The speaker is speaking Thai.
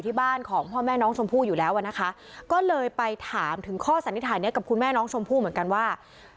ถามถึงข้อสันนิถ่ายนี้กับคุณแม่น้องชมพู่เหมือนกันว่า